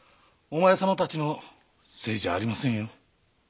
お前様たちのせいじゃありませんよ。